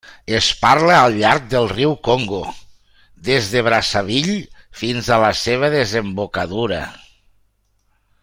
Es parla al llarg del riu Congo, des de Brazzaville fins a la seva desembocadura.